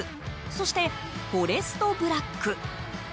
そして、フォレストブラック。